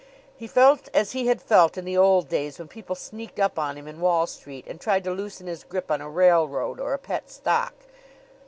He felt as he had felt in the old days when people sneaked up on him in Wall Street and tried to loosen his grip on a railroad or a pet stock.